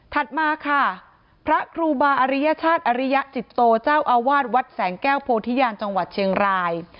มาค่ะพระครูบาอริยชาติอริยจิตโตเจ้าอาวาสวัดแสงแก้วโพธิญาณจังหวัดเชียงราย